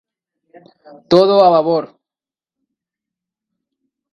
Todo a Babor.